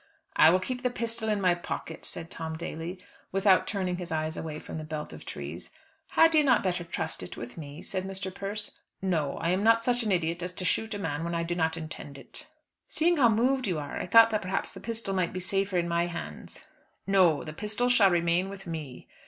"I will keep the pistol in my pocket," said Tom Daly, without turning his eyes away from the belt of trees. "Had you not better trust it with me?" said Mr. Persse. "No, I am not such an idiot as to shoot a man when I do not intend it." "Seeing how moved you are, I thought that perhaps the pistol might be safer in my hands." "No, the pistol shall remain with me."